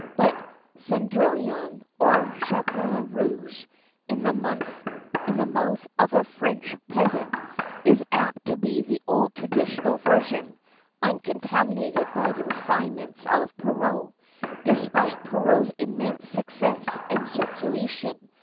But Cendrillon or Chaperon Rouge in the mouth of a French peasant, is apt to be the old traditional version, uncontaminated by the refinements of Perrault, despite Perrault's immense success and circulation.